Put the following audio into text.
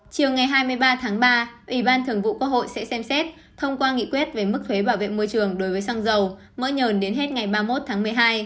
chiều ngày hai mươi ba tháng ba ủy ban thường vụ quốc hội sẽ xem xét thông qua nghị quyết về mức thuế bảo vệ môi trường đối với xăng dầu mỡ nhờn đến hết ngày ba mươi một tháng một mươi hai